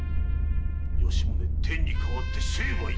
吉宗天に代わって成敗いたす！